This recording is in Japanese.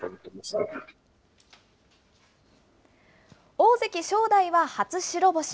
大関・正代は初白星。